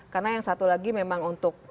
karena yang satu lagi memang untuk